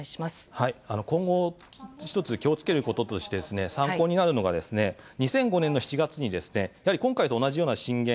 今後１つ気をつけることとして参考になるのが２００５年の４月に今回と同じような震源